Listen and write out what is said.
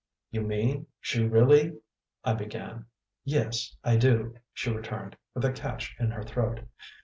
"You mean, she really " I began. "Yes, I do," she returned, with a catch in her throat.